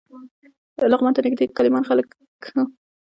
لغمان ته نږدې د کیلمان خلکو د کابل حکومت نه مانه.